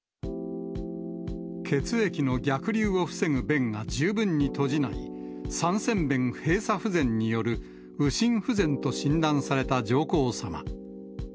血液の逆流を防ぐ弁が、十分に閉じない、三尖弁閉鎖不全による右心不全と診断された上皇さま。